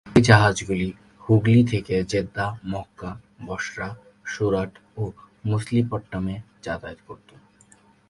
এ জাহাজগুলি হুগলি থেকে Jeddah, Mecca, Basra, Surat ও মসুলিপট্টমে যাতায়াত করত।